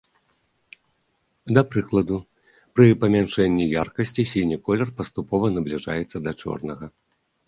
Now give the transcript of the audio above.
Да прыкладу, пры памяншэнні яркасці сіні колер паступова набліжаецца да чорнага.